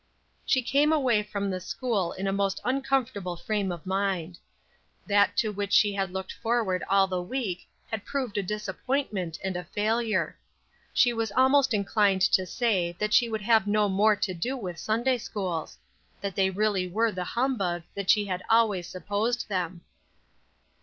She came away from the school in a most uncomfortable frame of mind. That to which she had looked forward all the week had proved a disappointment and a failure. She was almost inclined to say that she would have no more to do with Sunday schools; that they really were the humbug that she had always supposed them.